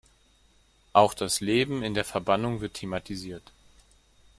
Auch das Leben in der Verbannung wird thematisiert.